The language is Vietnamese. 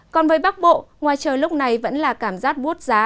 còn với bắc bộ ngoài trời lúc này vẫn là cảm giác bút giá